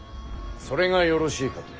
それがよろしいかと。